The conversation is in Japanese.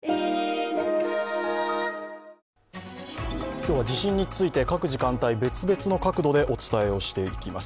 今日は地震について各時間帯、別々の角度でお伝えしていきます。